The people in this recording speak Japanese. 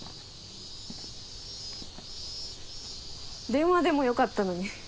電話でもよかったのに。